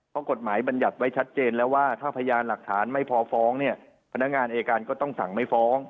เพราะกฎหมายบรรยัติไว้ชัดเจนแล้วว่าถ้าพยานหลักฐานไม่พอฟ้องเนี่ยพนักงานอายการก็ต้องสั่งไม่ฟ้อง